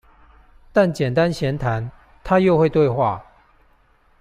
但簡單閒談，他又會對話